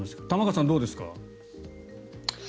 玉川さん、どうですか。